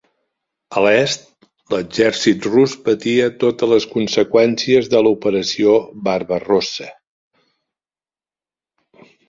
A l'est, l'exèrcit rus patia totes les conseqüències de l'Operació Barbarossa.